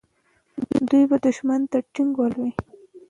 دوی به دښمن ته ټینګ ولاړ وي.